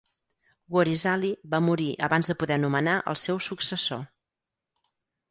Waris Ali va morir abans de poder nomenar el seu successor.